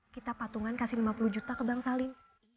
kita patungan kasih lima puluh juta ke bang salim